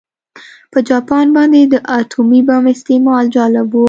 په جاپان باندې د اتومي بم استعمال جالب و